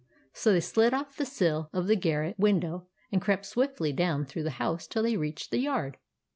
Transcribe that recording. " So they slid off the sill of the garret window, and crept swiftly down through the house till they reached the yard.